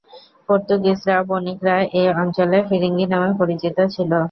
পর্তুগিজরা বণিকরা এ অঞ্চলে "ফিরিঙ্গি" নামে পরিচিত ছিলো।